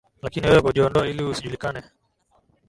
lakini wewe kujiondoa ili usijulikane